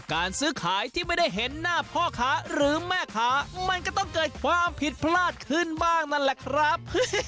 การซื้อขายที่ไม่ได้เห็นหน้าพ่อค้าหรือแม่ค้ามันก็ต้องเกิดความผิดพลาดขึ้นบ้างนั่นแหละครับ